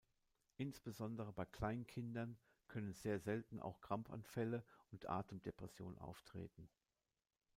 Insbesondere bei Kleinkindern können sehr selten auch Krampfanfälle und Atemdepression auftreten.